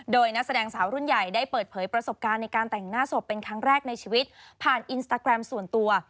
โดยนักแสดงสาวรุ่นใหญ่ได้เปิดเผยประสบการณ์ในการแต่งหน้าศพเป็นครั้งแรกในชีวิตผ่านอินสตาแกรมส่วนตัว